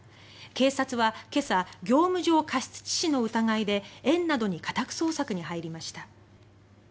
警察は今朝業務上過失致死の疑いで園などに家宅捜索に入りました。